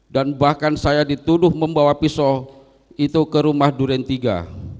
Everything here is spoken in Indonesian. dan bahkan saya dituduh membawa pisau itu ke rumah dunia